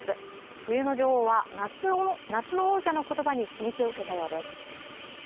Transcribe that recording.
冬の女王は夏の王者の言葉に刺激を受けたようです。